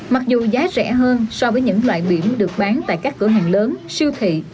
mặc dù giá rẻ hơn so với những loại biển được bán tại các cửa hàng lớn siêu thị